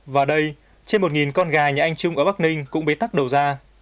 và đây trên một con gà nhà anh trung ở bắc ninh cũng bị tắt đầu ra